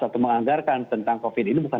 atau menganggarkan tentang covid ini bukan